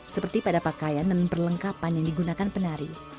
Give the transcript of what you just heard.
seperti pada pakaian dan perlengkapan yang digunakan penari